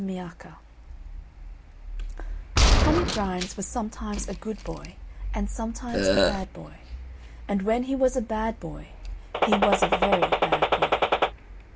MIACCA Tommy Grimes was sometimes a good boy, and sometimes a bad boy; and when he was a bad boy, he was a very bad boy.